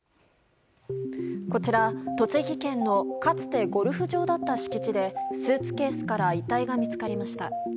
こちら、栃木県のかつてゴルフ場だった敷地でスーツケースから遺体が見つかりました。